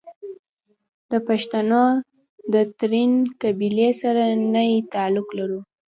او دَپښتنو دَ ترين قبيلې سره ئې تعلق لرلو